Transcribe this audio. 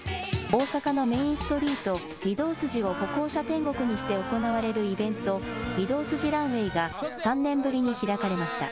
大阪のメインストリート御堂筋を歩行者天国にして行われるイベント、御堂筋ランウェイが、３年ぶりに開かれました。